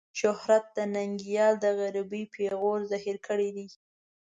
شهرت ننګيال د غريبۍ پېغور زهير کړی دی.